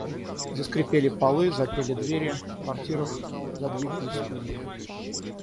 Заскрипели полы, запели двери, в квартирах задвигали стульями.